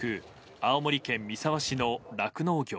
青森県三沢市の酪農業